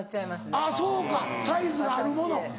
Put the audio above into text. あぁそうかサイズがあるもの。